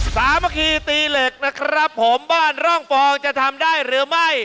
สามัคคีตีเหล็กนะครับผมบ้านร่องฟองจะทำได้หรือไม่